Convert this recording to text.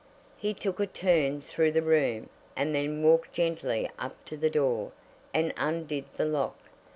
He took a turn through the room, and then walked gently up to the door, and undid the lock.